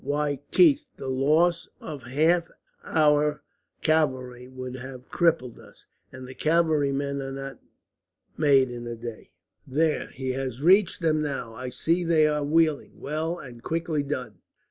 "Why, Keith, the loss of half our cavalry would have crippled us, and cavalry men are not made in a day. "There, he has reached them now. I see they are wheeling. Well and quickly done!